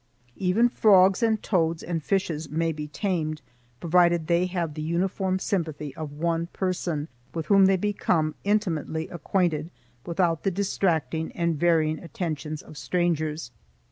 Even frogs and toads and fishes may be tamed, provided they have the uniform sympathy of one person, with whom they become intimately acquainted without the distracting and varying attentions of strangers.